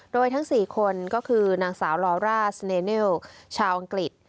โดยทั้ง๔คนก็คือนางสาวลอร่าสเนเนลชาวอังกฤษ